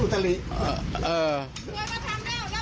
คือจะใช้คำว่าไม่เกี่ยวก็ได้